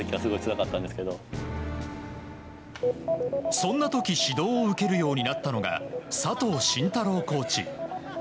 そんな時指導を受けるようになったのが佐藤真太郎コーチ。